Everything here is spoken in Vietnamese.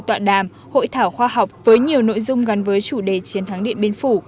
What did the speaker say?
tọa đàm hội thảo khoa học với nhiều nội dung gắn với chủ đề chiến thắng điện biên phủ